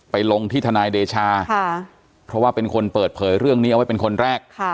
ลงที่ทนายเดชาเพราะว่าเป็นคนเปิดเผยเรื่องนี้เอาไว้เป็นคนแรก